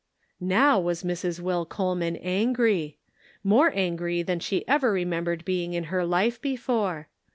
Now was Mrs. Will Coleman angry! More angry than she ever remembered being in her life before.